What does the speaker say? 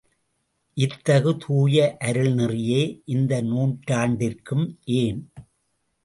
இத்தகு தூய அருள்நெறியே இந்த நூற்றாண்டிற்கும் ஏன்?